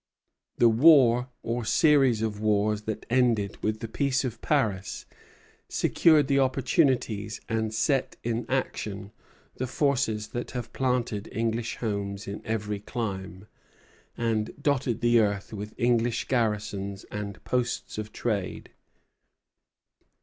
The war or series of wars that ended with the Peace of Paris secured the opportunities and set in action the forces that have planted English homes in every clime, and dotted the earth with English garrisons and posts of trade.